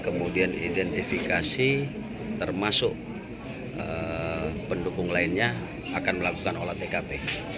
kemudian identifikasi termasuk pendukung lainnya akan melakukan olah tkp